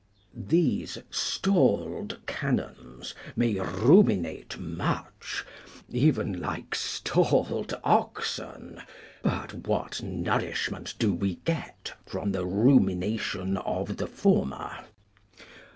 These stalled canons may ruminate much, even like stalled oxen, but what nourishment do we get from the rumination of the former?